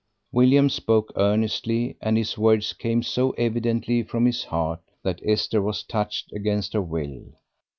William spoke earnestly, and his words came so evidently from his heart that Esther was touched against her will.